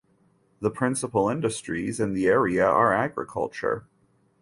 The principal industries in the area are agriculture.